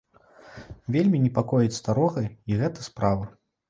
Вельмі непакоіць старога і гэта справа.